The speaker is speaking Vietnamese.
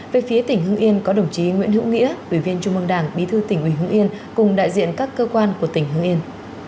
về phía tỉnh hưng yên có đồng chí nguyễn hữu nghĩa ủy viên trung mương đảng bí thư tỉnh ủy hưng yên cùng đại diện các cơ quan của tỉnh hưng yên